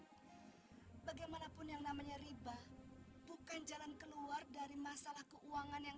hai bagaimanapun yang namanya riba bukan jalan keluar dari masalah keuangan yang